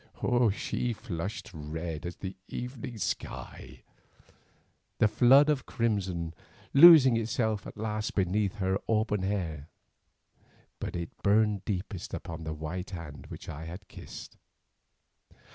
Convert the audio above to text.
She flushed red as the evening sky, the flood of crimson losing itself at last beneath her auburn hair, but it burned deepest upon the white hand which I had kissed.